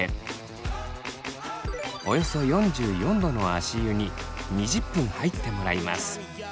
およそ４４℃の足湯に２０分入ってもらいます。